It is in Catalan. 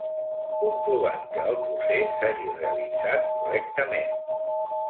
Comprovant que el procés s'hagi realitzat correctament.